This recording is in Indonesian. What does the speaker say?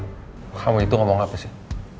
kamu itu ngomong apa sih